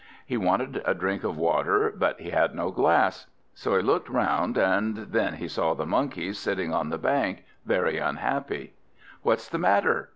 He wanted a drink of water, but he had no glass. So he looked round, and then he saw the Monkeys sitting on the bank, very unhappy. "What's the matter?"